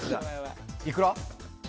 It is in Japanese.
いくら。